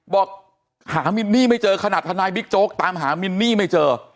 บอกหามินนี่ไม่เจอขนาดทนายบิ๊กโจ๊กตามหามินนี่ไม่เจอ